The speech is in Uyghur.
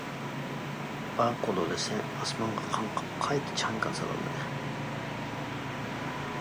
«باغ قۇلۇلىسى» ئاسمانغا قاڭقىپ قايتا چاڭگال سالالمىدى.